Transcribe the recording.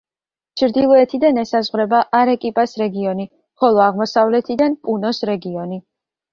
ჩრდილოეთიდან ესაზღვრება არეკიპას რეგიონი, ხოლო აღმოსავლეთიდან პუნოს რეგიონი.